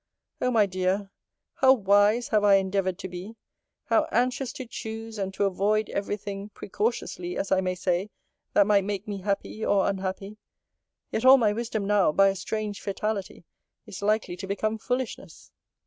Oh! my dear! how wise have I endeavoured to be! How anxious to choose, and to avoid every thing, precautiously, as I may say, that might make me happy, or unhappy; yet all my wisdom now, by a strange fatality, is likely to become foolishness!